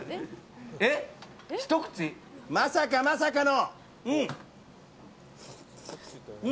まさかまさかの。